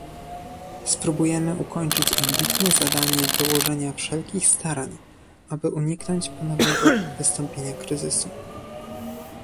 spróbujemy ukończyć ambitne zadanie dołożenia wszelkich starań, aby uniknąć ponownego wystąpienia kryzysu